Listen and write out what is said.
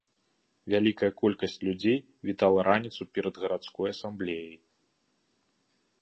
Вялікая колькасць людзей вітала раніцу перад гарадской асамблеяй.